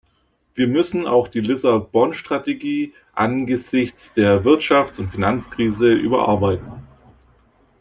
Wir müssen auch die Lissabon-Strategie angesichts der Wirtschafts- und Finanzkrise überarbeiten.